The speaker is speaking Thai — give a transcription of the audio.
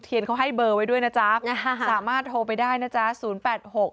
สวัสดีครับ